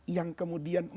yang kemudian menangis